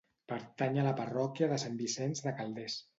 Pertany a la parròquia de Sant Vicenç de Calders.